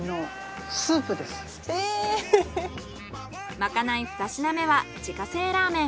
まかない２品目は自家製ラーメン。